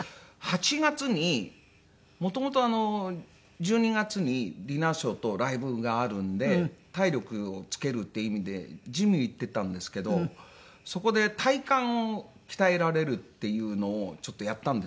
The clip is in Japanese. ８月にもともと１２月にディナーショーとライブがあるんで体力をつけるって意味でジムに行ってたんですけどそこで体幹を鍛えられるっていうのをちょっとやったんですね。